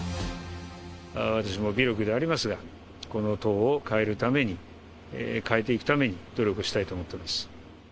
私も微力ではありますが、この党を変えるために、変えていくために努力したいと思っています。